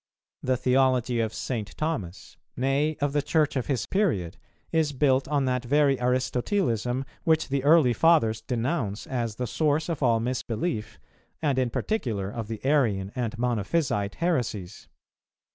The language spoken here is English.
The theology of St. Thomas, nay of the Church of his period, is built on that very Aristotelism, which the early Fathers denounce as the source of all misbelief, and in particular of the Arian and Monophysite heresies.